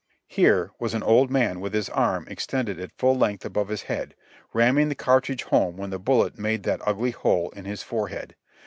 Here was an old man with his arm extended at full length above his head, ramming the cart ridge home when the bullet made that ugly hole in his forehead.